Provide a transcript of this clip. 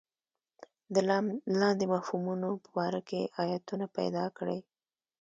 د لاندې مفهومونو په باره کې ایتونه پیدا کړئ.